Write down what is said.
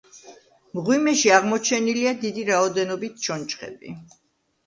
მღვიმეში აღმოჩენილია დიდი რაოდენობით ჩონჩხები.